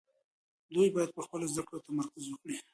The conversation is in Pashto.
دوی باید په خپلو زده کړو تمرکز وکړي.